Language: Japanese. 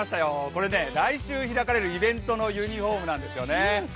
これ来週開かれるイベントのユニフォームなんですよね。